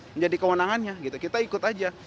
menjadi kewenangannya kita ikut saja